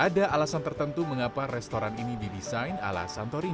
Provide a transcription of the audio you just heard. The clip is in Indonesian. ada alasan tertentu mengapa restoran ini didesain ala santorini